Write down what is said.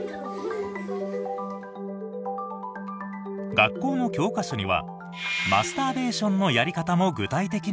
学校の教科書にはマスターベーションのやり方も具体的に書かれています。